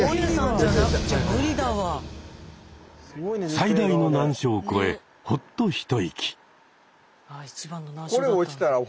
最大の難所を越えほっと一息。